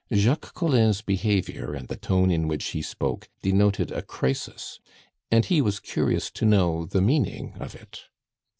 Jacques Collin's behavior and the tone in which he spoke denoted a crisis, and he was curious to know the meaning of it.